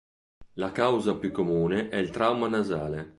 La causa più comune è il trauma nasale.